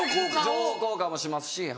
情報交換もしますし。